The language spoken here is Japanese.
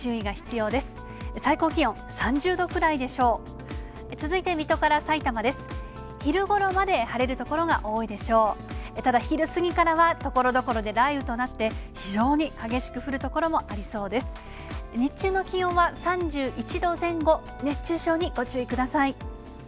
日中の気温は３１度前後、熱中症にご注意ください。